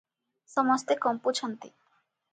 ସମସ୍ତେ କମ୍ପୁଛନ୍ତି ।